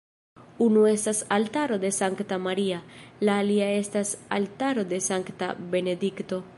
Unu estas altaro de Sankta Maria, la alia estas altaro de Sankta Benedikto.